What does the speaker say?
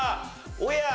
おや？